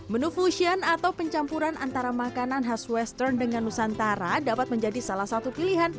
menu fusion atau pencampuran antara makanan khas western dengan nusantara dapat menjadi salah satu pilihan